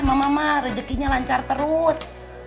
mamah mamah rejekinya lancar terus